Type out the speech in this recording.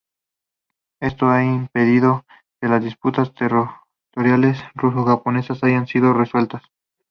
Esto ha impedido que las disputas territoriales ruso-japonesas hayan sido resueltas.